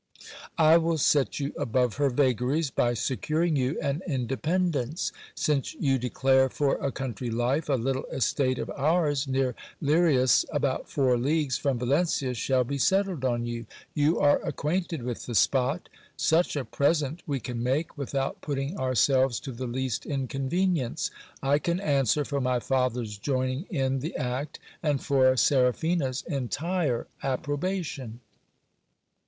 I will set you above her vagaries, by securing you an independence. Since you declare for a country life, a little estate of ours near Lirias, about four leagues from Valencia, shall be settled on you. You are acquainted with the spot. Such a present we can make, without putting our selves to the least inconvenience. I can answer for my father's joining in the act, and for Seraphina's entire approbation.